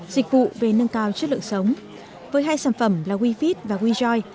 dịch vụ về nâng cao chất lượng sống với hai sản phẩm là wefith và wejoy